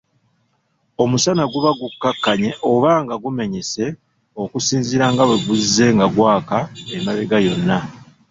Omusana guba gukkakanye oba nga gumenyese okusinziira nga bwe guzze nga gwaka emabega yonna.